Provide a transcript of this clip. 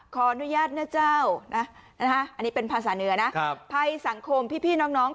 ขออนุญาตเนื้อเจ้าภายสังคมพี่น้อง